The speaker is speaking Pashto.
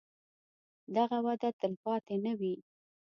دغه وده تلپاتې نه وي.